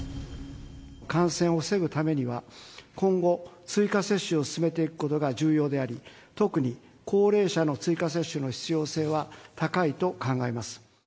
感染を防ぐためには、今後、追加接種を進めていくことが重要であり、特に高齢者の追加接種の必要性は高いと考えます。